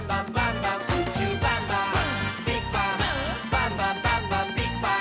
「バンバンバンバンビッグバン！」